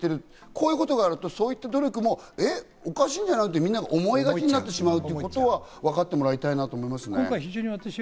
こういうことがあると、そういう努力もおかしいんじゃない？と、みんな思いがちになってしまうということはわかってもらいたいなと思いますね。